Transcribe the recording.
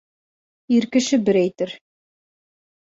Ир кеше бер әйтер